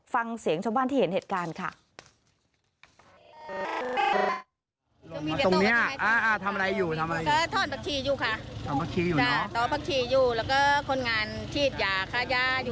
ฟังเสียงชาวบ้านที่เห็นเหตุการณ์ค่ะ